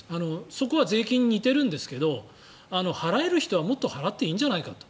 そこは税金に似てるんですが払える人は、もっと払っていいんじゃないかと。